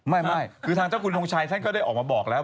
ไม่คือทางเจ้าคุณทงชัยท่านก็ได้ออกมาบอกแล้ว